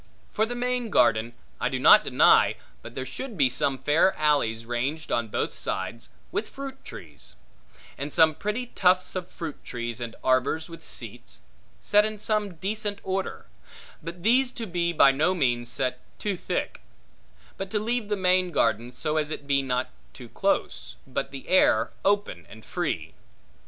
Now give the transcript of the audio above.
For the main garden, I do not deny, but there should be some fair alleys ranged on both sides, with fruit trees; and some pretty tufts of fruit trees, and arbors with seats, set in some decent order; but these to be by no means set too thick; but to leave the main garden so as it be not close, but the air open and free.